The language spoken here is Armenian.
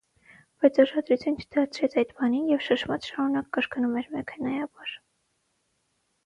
Բայց ուշադրություն չդարձրեց այդ բանին և շշմած շարունակ կրկնում էր մեքենայաբար.